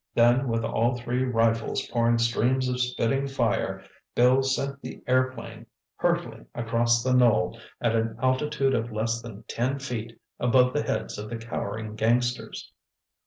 Then with all three rifles pouring streams of spitting fire, Bill sent the airplane hurtling across the knoll at an altitude of less than ten feet above the heads of the cowering gangsters.